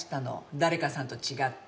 誰かさんと違って。